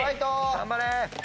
頑張れ！